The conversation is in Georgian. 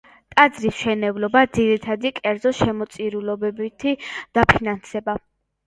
ტაძრის მშენებლობა ძირითადად კერძო შემოწირულობებით დაფინანსდა.